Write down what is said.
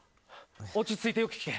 落ち着いてよく聞け。